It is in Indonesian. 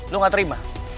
lo gak terima